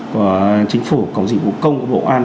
của chính phủ cổng dịch vụ công của bộ an